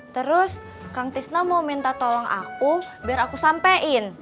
terus kang tisna mau minta tolong aku biar aku sampein